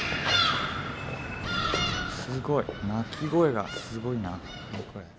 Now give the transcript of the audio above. すごい、鳴き声がすごいな。